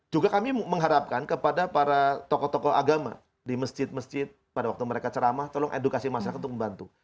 juga kami mengharapkan kepada para tokoh tokoh agama di masjid masjid pada waktu mereka ceramah tolong edukasi masyarakat untuk membantu